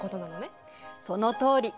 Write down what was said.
そのとおり。